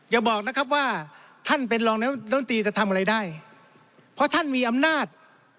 อย่าบอกนะครับว่าท่านเป็นรองนายรัฐมนตรีจะทำอะไรได้เพราะท่านมีอำนาจ